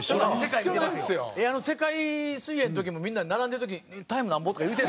世界水泳の時もみんなで並んでる時に「タイムなんぼ？」とか言うて。